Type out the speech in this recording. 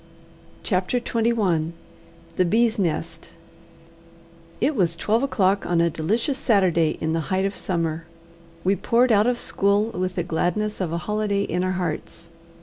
CHAPTER XXI The Bees' Nest It was twelve o'clock on a delicious Saturday in the height of summer. We poured out of school with the gladness of a holiday in our hearts.